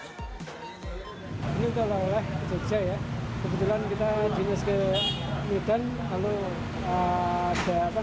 ini untuk orang orang jogja ya kebetulan kita jenis ke medan